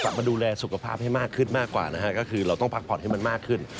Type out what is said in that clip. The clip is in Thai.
มาดูแลสุขภาพให้มากขึ้นมากกว่านะฮะก็คือเราต้องพักผ่อนให้มันมากขึ้น